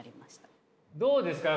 どうですか？